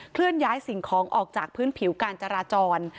เลื่อนย้ายสิ่งของออกจากพื้นผิวการจราจร